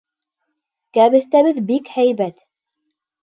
Кәбеҫтәбеҙ бик һәйбәт!